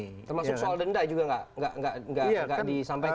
termasuk soal denda juga nggak disampaikan